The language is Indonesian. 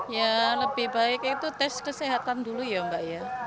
ya lebih baik itu tes kesehatan dulu ya mbak ya